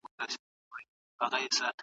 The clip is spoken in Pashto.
توپونو وراني کړلې خوني د قلا برجونه